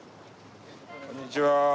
こんにちは。